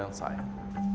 yang tidak dikenal